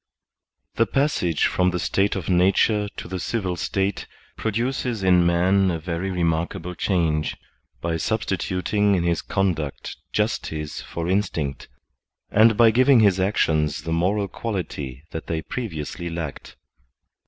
The passage from the state of nature to the civil state produces in man a very remakable change, by substitut ing in his conduct justice for instinct, and by giving his actions the moral quality that they previously lacked.